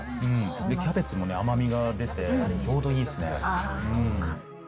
キャベツもね、甘みが出てちょうどいいですね。